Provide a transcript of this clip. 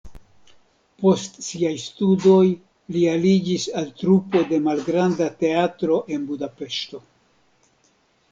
Post siaj studoj li aliĝis al trupo de malgranda teatro en Budapeŝto.